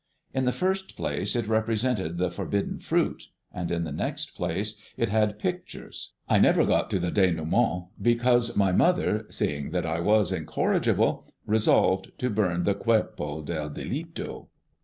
In the first place, it represented the forbidden fruit; and in the next place, it had pictures. I never got to the dénouement, because my mother, seeing that I was incorrigible, resolved to burn the cuerpo del delito.